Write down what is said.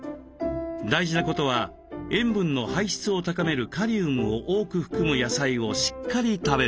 大事なことは塩分の排出を高めるカリウムを多く含む野菜をしっかり食べること。